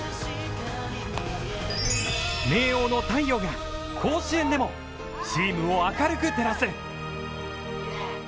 明桜の太陽が甲子園でも、チームを明るく照らす！